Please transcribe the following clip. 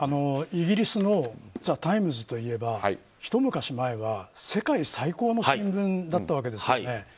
イギリスのザ・タイムズといえばひと昔前は世界最高の新聞だったわけですよね。